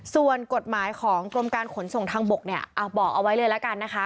ส่วนกฎหมายของกรมการขนส่งทางบกเนี่ยบอกเอาไว้เลยละกันนะคะ